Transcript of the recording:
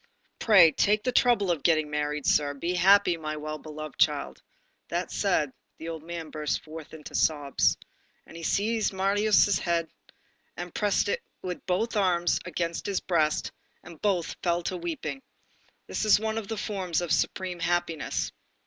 Pray take the trouble of getting married, sir. Be happy, my well beloved child." That said, the old man burst forth into sobs. And he seized Marius' head, and pressed it with both arms against his breast, and both fell to weeping. This is one of the forms of supreme happiness.